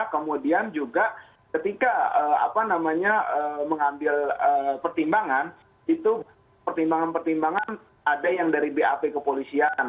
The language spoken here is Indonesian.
kemudian juga ketika apa namanya mengambil pertimbangan itu pertimbangan pertimbangan ada yang dari bap ke polisian